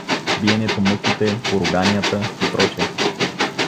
Биението, мъките, поруганията и пр.